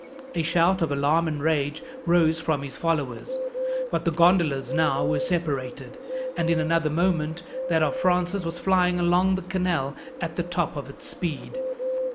A shout of alarm and rage rose from his followers, but the gondolas were now separated, and in another moment that of Francis was flying along the canal at the top of its speed.